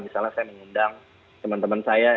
misalnya saya mengundang teman teman saya